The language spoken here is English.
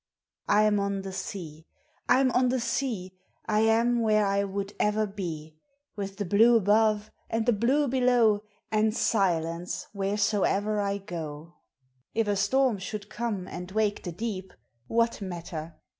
I 'in on the sea ! I 'm on the sea ! I am where I would ever be; With the blue above, and the blue below, And silence wheresoe'er I go; If a storm should come and wake the deep, What matter?